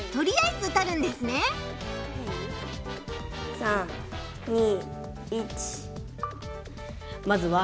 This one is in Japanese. ３２１。